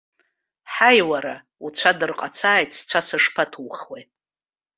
Ҳаи, уара, уцәа дырҟацааит, сцәа сышԥаҭухуеи.